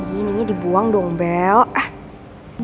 ini dibuang dong bel